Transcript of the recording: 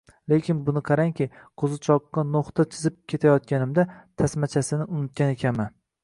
Lekin, buni qarangki, qo‘zichoqqa no‘xta chizib berayotganimda, tasmachasini unutgan ekanman.